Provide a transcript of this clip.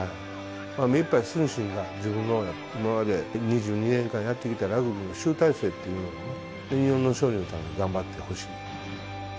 目いっぱいスンシンが、自分の今まで２２年間やってきたラグビーの集大成というのを、日本の勝利のために頑張ってほしい。